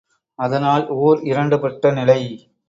அதனால் ஊர் இரண்டுபட்ட நிலை!